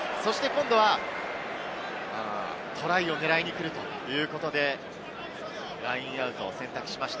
今度はトライを狙いにくるということで、ラインアウトを選択しました。